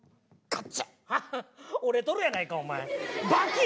バキッ折れとるやないかお前。